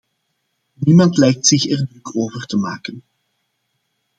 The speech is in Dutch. Niemand lijkt zich er druk over te maken.